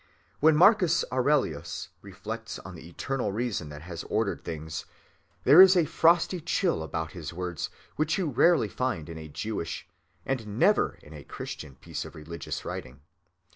When Marcus Aurelius reflects on the eternal reason that has ordered things, there is a frosty chill about his words which you rarely find in a Jewish, and never in a Christian piece of religious writing.